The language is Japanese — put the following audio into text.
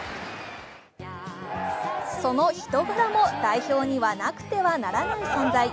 その人柄も代表にはなくてはならない存在。